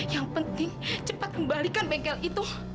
yang penting cepat kembalikan bengkel itu